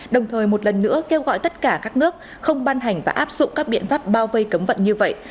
đồng thời một lần nữa kêu gọi tất cả các nước không ban hành và áp dụng các biện pháp bao vây cấm vận như vậy